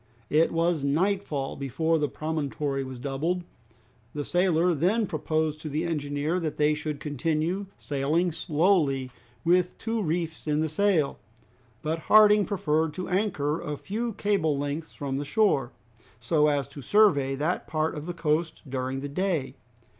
It was nightfall before the promontory was doubled. The sailor then proposed to the engineer that they should continue sailing slowly with two reefs in the sail. But Harding preferred to anchor a few cable lengths from the shore, so as to survey that part of the coast during the day.